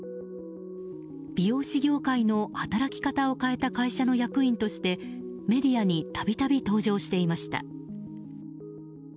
美容師業界の働き方を変えた会社の役員としてメディアに度々登場していました。